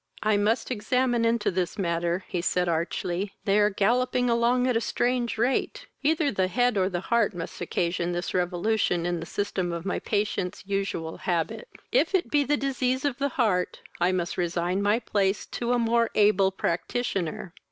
"I must examine into this matter, (said he archly.) They are gallopping along at a strange rate; either the head or the heart must occasion this revolution in the system of my patient's usual habit. If it be the disease of the heart, I must resign my place to a more able practitioner.